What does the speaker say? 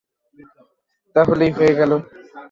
তাহলেই হয়ে গেল।